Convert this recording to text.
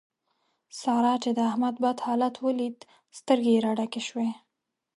سارا چې د احمد بد حالت وليد؛ سترګې يې را ډکې شوې.